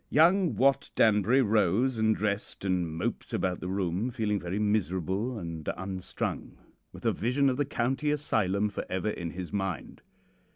"Young Wat Danbury rose and dressed and moped about the room feeling very miserable and unstrung, with a vision of the County Asylum for ever in his mind.